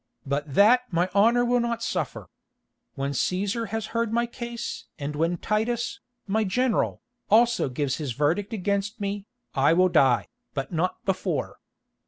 But that my honour will not suffer. When Cæsar has heard my case and when Titus, my general, also gives his verdict against me, I will die, but not before.